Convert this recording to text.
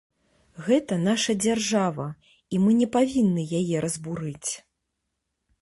Гэта наша дзяржава, і мы не павінны яе разбурыць.